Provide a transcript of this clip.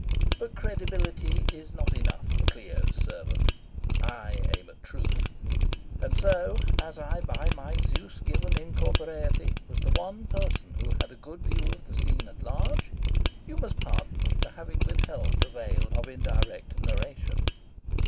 But credibility is not enough for Clio's servant. I aim at truth. And so, as I by my Zeus given incorporeity was the one person who had a good view of the scene at large, you must pardon me for having withheld the veil of indirect narration.